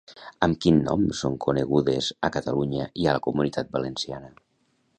Amb quin nom són conegudes a Catalunya i a la Comunitat Valenciana?